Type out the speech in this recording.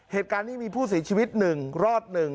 เหตุการณ์นี้มีผู้สีชีวิตหนึ่งรอดหนึ่ง